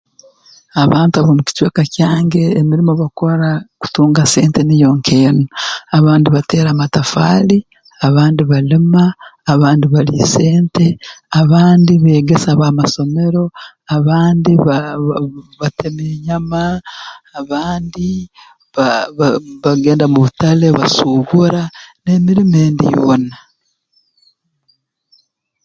Abantu ab'omu kicweka kyange emirimo bakora kutunga sente niyo nk'enu abandi bateera amatafaali abandi balima abandi balya sente abandi beegesa b'amasomero abandi ba ba batemi b'enyama abandi ba ba bagenda mu butale basuubura n'emirimo endi yoona